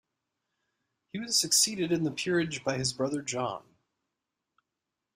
He was succeeded in the peerage by his brother John.